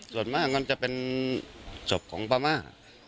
ส่วนมากมันจะเป็นศพของป้าม่า